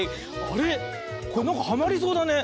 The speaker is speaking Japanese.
これなんかはまりそうだね。